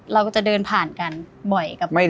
เราก็จะเดินผ่านกันบ่อยกับพวกคุณพี่